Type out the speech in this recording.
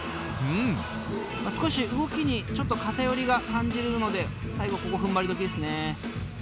少し動きにちょっと偏りが感じられるので最後ここふんばりどきですね。